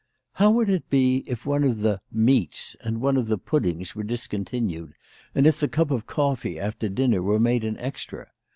How would it be if one of the "meats' 7 and one of the puddings were discontinued, and if the cup of coffee after dinner were made an extra